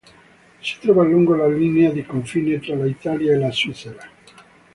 Si trova lungo la linea di confine tra l'Italia e la Svizzera.